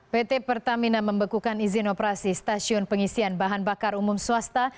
pt pertamina membekukan izin operasi stasiun pengisian bahan bakar umum swasta